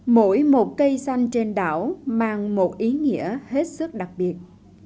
mỗi một cây xanh trên đảo mang một ý nghĩa hết sức đặc biệt